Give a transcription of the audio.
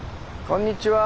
こんにちは。